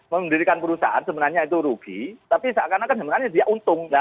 mendirikan perusahaan sebenarnya itu rugi tapi seakan akan sebenarnya dia untung